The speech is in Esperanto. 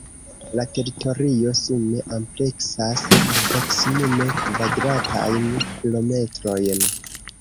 La teritorio sume ampleksas proksimume kvadratajn kilometrojn.